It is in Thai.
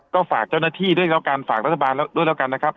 ก็ฝากเจ้าหน้าที่ด้วยแล้วกันฝากรัฐบาลแล้วด้วยแล้วกันนะครับ